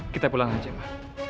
kita pulang aja ma